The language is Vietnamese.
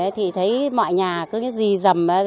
thì thấy mọi nhà cứ gì dầm